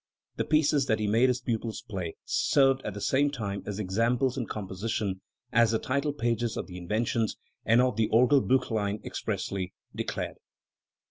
The pieces that he made his pupils play served at the same time as examples in composition, as the title pages of the Inventions and of the Orgelbilchlein expressly declared.